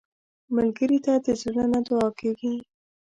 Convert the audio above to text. ملګری ته د زړه نه دعا کېږي